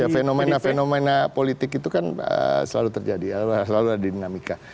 ya fenomena fenomena politik itu kan selalu terjadi selalu ada dinamika